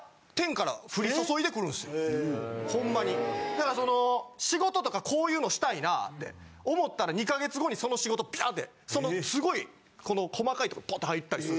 だからその仕事とかこういうのしたいなぁって思ったら２か月後にその仕事ピャーってそのすごいこの細かいとこポッて入ったりする。